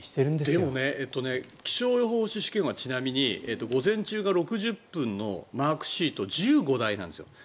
でも、気象予報士試験はちなみに午前中が６０分のマークシート１５問題なんですよ。